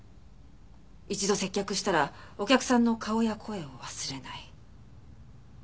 一度接客したらお客さんの顔や声を忘れない。